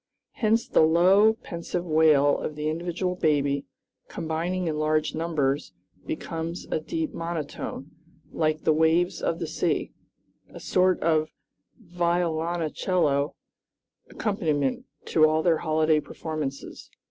Hence the low, pensive wail of the individual baby, combining in large numbers, becomes a deep monotone, like the waves of the sea, a sort of violoncello accompaniment to all their holiday performances.